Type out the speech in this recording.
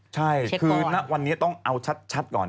ใช่คือณวันนี้ต้องเอาชัดก่อน